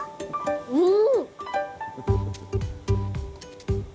うん！